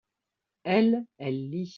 elle, elle lit.